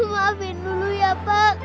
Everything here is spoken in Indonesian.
maafkan dulu ya pak